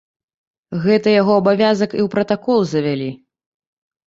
Гэта яго абавязак і ў пратакол завялі.